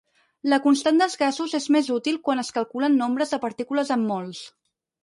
La constant dels gasos és més útil quan es calculen nombres de partícules en mols.